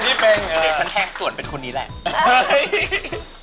เดี๋ยวฉันแทงส่วนเป็นคนนี้แหละ